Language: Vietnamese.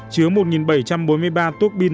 chứa một bảy trăm bốn mươi ba tuốc biên